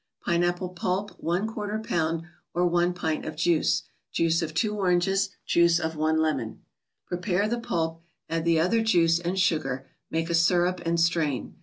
Pine apple pulp, one quarter lb.; or one pint of juice; juice of two Oranges ; juice of one Lemon. Prepare the pulp, add the other juice and sugar, make a syrup, and strain.